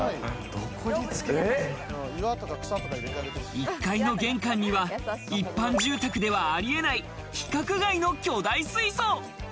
一階の玄関には一般住宅ではありえない規格外の巨大水槽。